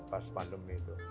pas pandemi itu